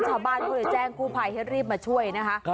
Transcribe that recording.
ชาวบ้านก็เลยแจ้งกู้ภัยให้รีบมาช่วยนะคะ